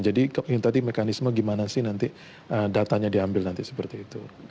jadi tadi mekanisme gimana sih nanti datanya diambil nanti seperti itu